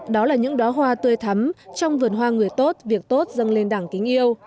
đó là những đoá hoa tươi thắm trong vườn hoa người tốt việc tốt dâng lên đảng kính yêu